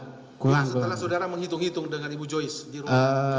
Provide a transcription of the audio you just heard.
setelah saudara menghitung hitung dengan ibu joyce